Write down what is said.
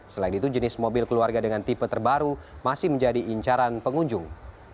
selain itu jenis mobil keluarga dengan tipe terbaru masih menjadi incaran pengunjung